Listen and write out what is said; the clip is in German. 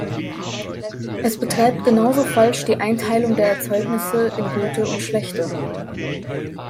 Es betreibt genauso falsch die Einteilung der Erzeugnisse in gute und schlechte.